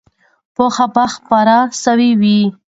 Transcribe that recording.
پوهه به خپره سوې وي.